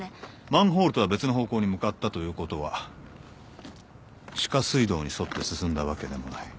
マンホールとは別の方向に向かったということは地下水道に沿って進んだわけでもない。